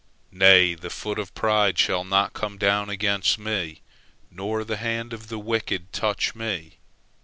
Nay, the foot of pride shall not come against me, nor the hand of the wicked touch me.